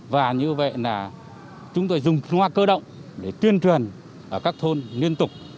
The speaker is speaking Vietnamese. và như vậy là chúng tôi dùng chúa cơ động để tuyên truyền ở các thôn liên tục